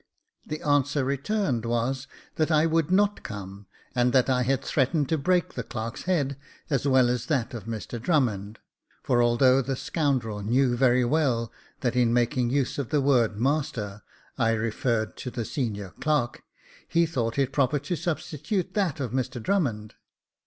The answer returned was, that I would not come, and that I had threatened to break the clerk's head as well as that of Mr Drummond ; for although the scoundrel knew very well that in making use of the word " master," I referred to the senior clerk, he thought it proper to 1 68 Jacob Faithful substitute that of Mr Drummond.